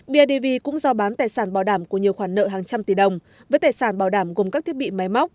bidv cũng do bán tài sản bảo đảm của nhiều khoản nợ hàng trăm tỷ đồng với tài sản bảo đảm gồm các thiết bị máy móc